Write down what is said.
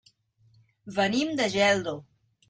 Venim de Geldo.